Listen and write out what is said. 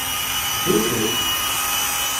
Ddukel.